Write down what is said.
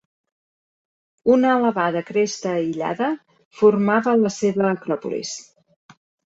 Una elevada cresta aïllada formava la seva acròpolis.